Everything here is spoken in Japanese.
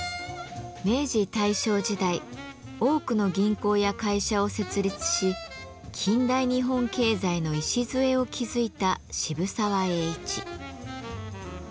明治大正時代多くの銀行や会社を設立し近代日本経済の礎を築いた渋沢栄一。